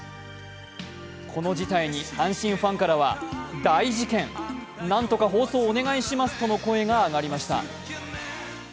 この事態に阪神ファンからは大事件、何とか放送お願いしますとの声が上がりました。